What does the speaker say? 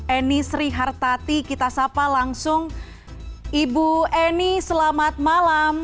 eni srihartati kita sapa langsung ibu eni selamat malam